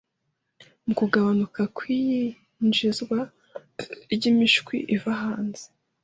mu kugabanuka kw’iyinjizwa ry’imishwi iva hanze